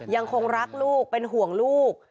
ยังคงรักลูกเป็นห่วงลูก